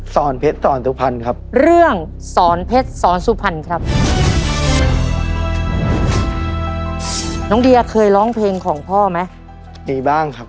ศรเพชรศรสุพันธ์ครับ